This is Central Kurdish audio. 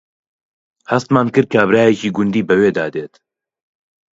هەستمان کرد کابرایەکی گوندی بەوێدا دێت